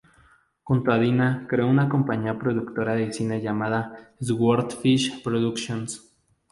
Junto a Dina creó una compañía productora de cine llamada "Swordfish Productions".